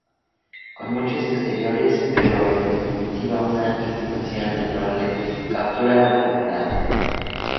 Con muchos exteriores, pero en definitiva una imitación menor de "Captura recomendada".